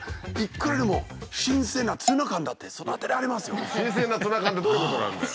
僕にとって新鮮なツナ缶ってどういうことなんだよ。